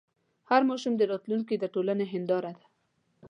هر ماشوم د راتلونکي د ټولنې هنداره ده.